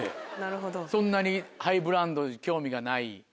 そんなにハイブランドに興味がない。